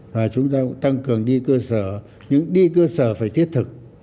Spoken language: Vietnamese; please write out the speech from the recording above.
và chúng ta cũng tăng cường đi cơ sở những đi cơ sở phải thiết thực